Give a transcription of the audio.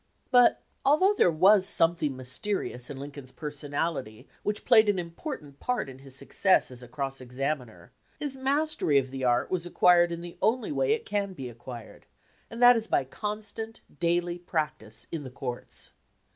But although there was something mysterious in Lincoln's personality which played an impor tant part in his success as a cross examiner, his mastery of the art was acquired in the only way it can be acquired, and that is by constant, daily practice in the courts.